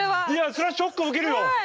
それはショックを受けるよ。